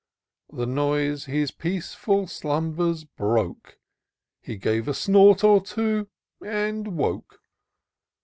The noise his peaceful slumbers broke ; He gave a snort or two — and 'woke.